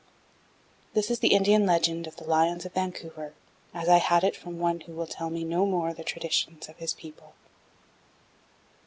This is the Indian legend of "The Lions of Vancouver" as I had it from one who will tell me no more the traditions of his people.